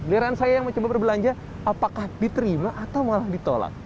beliran saya yang mencoba berbelanja apakah diterima atau malah ditolak